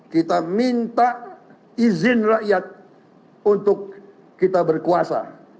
kita minta izin rakyat untuk kita berkuasa